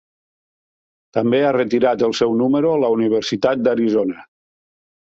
També ha retirat el seu número la Universitat d'Arizona.